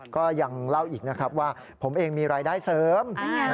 ก็ยังเล่าอีกนะครับว่าผมเองมีรายได้เสริม